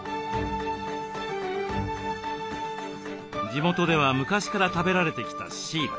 地元では昔から食べられてきたシイラ。